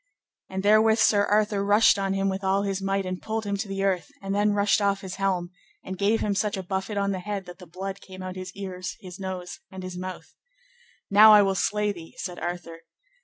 And therewith Sir Arthur rushed on him with all his might and pulled him to the earth, and then rushed off his helm, and gave him such a buffet on the head that the blood came out at his ears, his nose, and his mouth. Now will I slay thee, said Arthur.